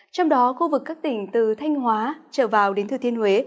trong đó khu vực các tỉnh từ thanh hóa trở vào đến thừa thiên huế